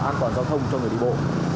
an toàn giao thông cho người đi bộ